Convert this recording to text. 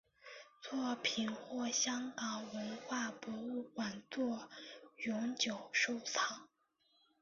作品获香港文化博物馆作永久收藏。